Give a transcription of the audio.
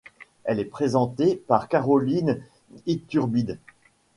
Elle est présentée par Caroline Ithurbide.